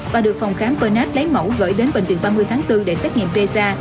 và được phòng khám pernat lấy mẫu gửi đến bệnh viện ba mươi tháng bốn để xét nghiệm pesa